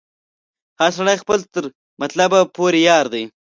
هر سړی خپل تر مطلبه پوري یار دی